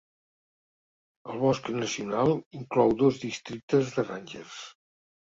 El bosc nacional inclou dos districtes de rangers.